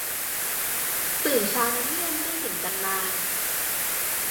ตื่นเช้านะเนี่ย ไม่ได้เห็นกันนาน